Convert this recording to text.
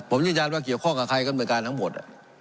ผมยืนยันว่าเกี่ยวข้องกับใครกำนวยการทั้งหมด